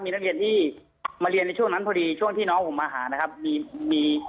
นักเรียนที่มาเรียนในช่วงนั้นพอดีช่วงที่น้องผมมาหานะครับมีมี